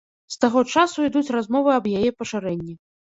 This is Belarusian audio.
З таго часу ідуць размовы аб яе пашырэнні.